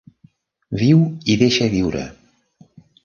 Viu i deixa viure